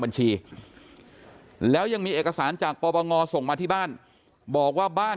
บัญชีแล้วยังมีเอกสารจากปปงส่งมาที่บ้านบอกว่าบ้าน